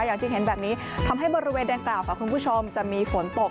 อย่างที่เห็นแบบนี้ทำให้บริเวณดังกล่าวค่ะคุณผู้ชมจะมีฝนตก